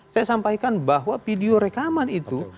saya sampaikan bahwa video rekaman itu